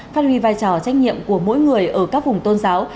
phát huy vai trò trách nhiệm của mỗi người ở các vùng tôn giáo